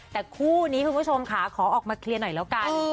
แต่คู่นี้คุณผู้ชมค่ะขอออกมาเคลียร์หน่อยแล้วกัน